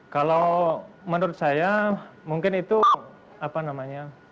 kalau menurut saya mungkin itu apa namanya